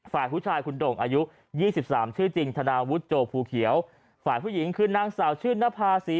ฝ่ายผู้ชายคุณโด่งอายุยี่สิบสามชื่อจริงธนาวุฒิโจภูเขียวฝ่ายผู้หญิงคือนางสาวชื่นนภาษี